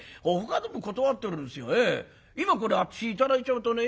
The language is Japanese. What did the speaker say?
今これ私頂いちゃうとね